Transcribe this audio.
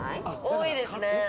多いですね。